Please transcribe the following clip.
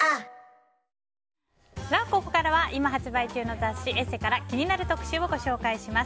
ここからは、今発売中の雑誌「ＥＳＳＥ」から気になる特集をご紹介します。